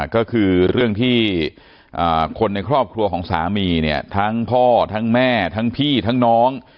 ก็คือเรื่องที่คนในครอบครัวของสามีเนี่ยทั้งพ่อทั้งแม่ทั้งพี่ทั้งน้อง